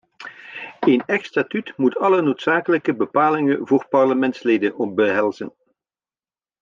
Een echt statuut moet alle noodzakelijke bepalingen voor parlementsleden behelzen.